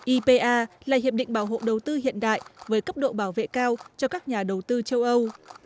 ipa là hiệp định bảo hộ đầu tư hiện đại với cấp độ bảo vệ cao cho các nhà đầu tư châu âu